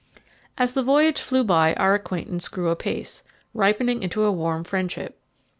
As the voyage flew by our acquaintance grew apace, ripening into a warm friendship.